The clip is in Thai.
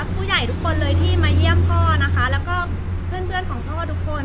ผู้ใหญ่ทุกคนเลยที่มาเยี่ยมพ่อนะคะแล้วก็เพื่อนของพ่อทุกคน